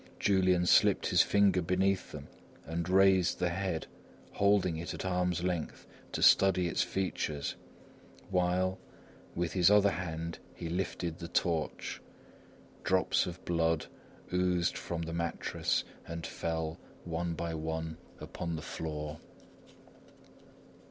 Julian slipped his finger beneath them and raised the head, holding it at arm's length to study its features, while, with his other hand he lifted the torch. Drops of blood oozed from the mattress and fell one by one upon the floor.